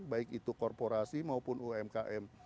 baik itu korporasi maupun umkm